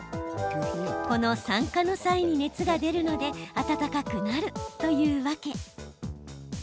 この酸化の際に熱が出るので温かくなるというわけ。